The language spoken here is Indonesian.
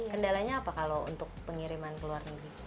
kendalanya apa kalau untuk pengiriman ke luar negeri